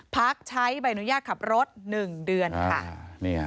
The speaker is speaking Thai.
พักใช้ใบอนุญาตขับรถ๑เดือนค่ะ